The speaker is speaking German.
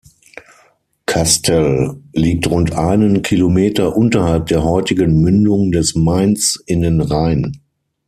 Kastel liegt rund einen Kilometer unterhalb der heutigen Mündung des Mains in den Rhein.